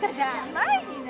前にね！